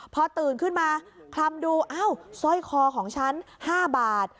พอตื่นขึ้นมาคลำดูอ้าวสร้อยคอของฉัน๕บาท